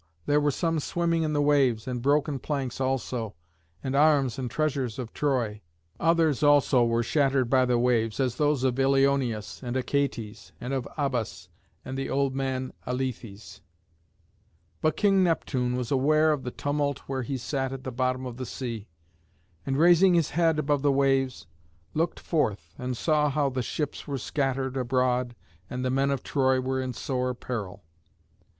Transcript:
there were some swimming in the waves, and broken planks also, and arms and treasures of Troy. Others also were shattered by the waves, as those of Ilioneus and Achates, and of Abas and the old man Alethes. [Illustration: JUNO AND ÆOLUS.] But King Neptune was aware of the tumult where he sat at the bottom of the sea, and raising his head above the waves, looked forth and saw how the ships were scattered abroad and the men of Troy were in sore peril.